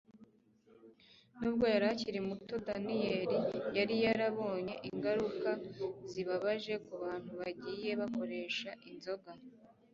nubwo yari akiri muto, daniyeli yari yarabonye ingaruka zibabaje ku bantu bagiye bakoresha inzoga